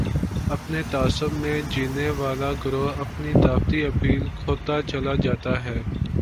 اپنے تعصب میں جینے والا گروہ اپنی دعوتی اپیل کھوتا چلا جاتا ہے۔